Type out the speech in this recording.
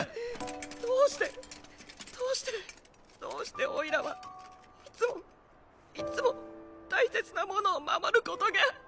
どうしてどうしてどうしておいらはいつもいつも大切なものを守ることが。